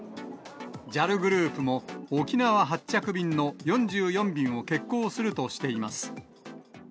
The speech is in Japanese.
ＪＡＬグループも、沖縄発着便の４４便を欠航するとしています。